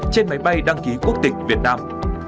trên máy bay đăng ký quốc tịch việt nam